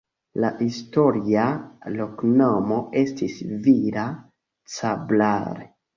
La historia loknomo estis Vila Cabral.